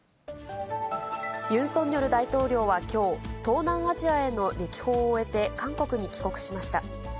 ユン・ソンニョル大統領はきょう、東南アジアへの歴訪を終えて、韓国に帰国しました。